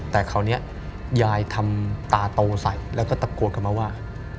แต่คราวนี้ยายทำตาโตใส่แล้วก็ตะโกนกลับมาว่า